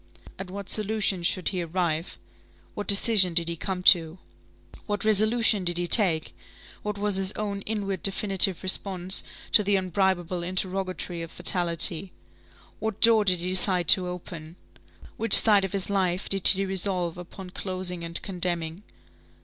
At what solution should he arrive? What decision did he come to? What resolution did he take? What was his own inward definitive response to the unbribable interrogatory of fatality? What door did he decide to open? Which side of his life did he resolve upon closing and condemning?